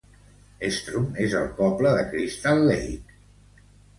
Strum es el poble de Crystal Lake.